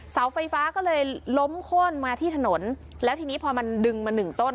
เสาไฟฟ้าก็เลยล้มโค้นมาที่ถนนแล้วทีนี้พอมันดึงมาหนึ่งต้น